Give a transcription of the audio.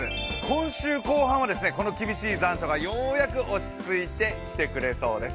今週後半はこの厳しい残暑がようやく落ち着いてきてくれそうです。